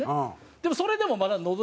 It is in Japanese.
でもそれでもまだのど。